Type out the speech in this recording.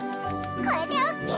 これでオッケー！